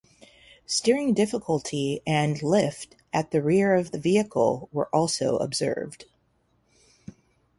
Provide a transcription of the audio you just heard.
Steering difficulty and lift at the rear of the vehicle were also observed.